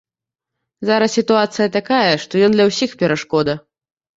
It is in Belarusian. Зараз сітуацыя такая, што ён для ўсіх перашкода.